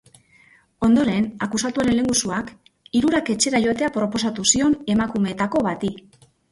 Ondoren, akusatuaren lehengusuak hirurak etxera joatea proposatu zion emakumeetako bati.